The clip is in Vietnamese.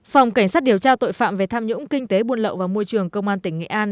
phòng cảnh sát điều tra tội phạm về tham nhũng kinh tế buôn lậu vào môi trường công an tỉnh nghệ an